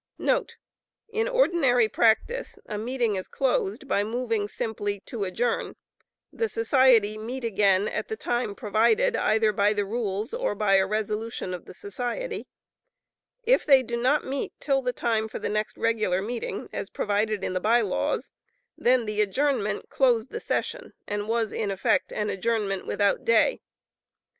* [In ordinary practice, a meeting is closed by moving simply "to adjourn;" the society meet again at the time provided either by their rules or by a resolution of the society. If they do not meet till the time for the next regular meeting, as provided in the By Laws, then the adjournment closed the session, and was in effect an adjournment without day.